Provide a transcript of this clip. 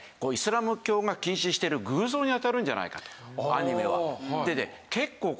アニメは。